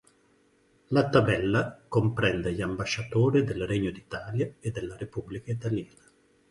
La tabella comprende gli ambasciatori del Regno d'Italia e della Repubblica Italiana.